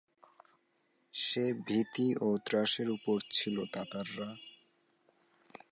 সে ভীতি ও ত্রাসের উৎস ছিল তাতাররা।